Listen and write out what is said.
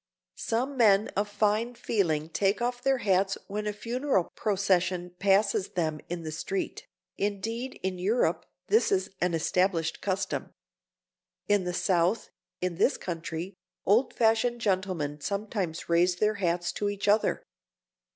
Some men of fine feeling take off their hats when a funeral procession passes them in the street, indeed in Europe this is an established custom. In the South, in this country, old fashioned gentlemen sometimes raise their hats to each other.